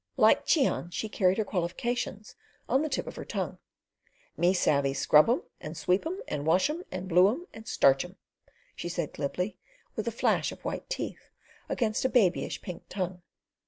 Like Cheon she carried her qualifications on the tip of her tongue: "Me savey scrub 'im, and sweep 'im, and wash 'im, and blue 'im, and starch 'im," she said glibly, with a flash of white teeth against a babyish pink tongue.